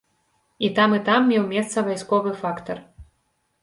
І там, і там меў месца вайсковы фактар.